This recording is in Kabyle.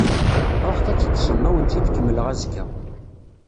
Ruḥet ad teṭṭsem, ad awen-tt-id-kemmleɣ azekka.